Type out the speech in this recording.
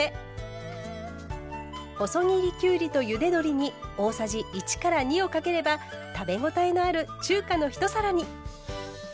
細切りきゅうりとゆで鶏に大さじ１から２をかければ食べ応えのある中華の一皿に。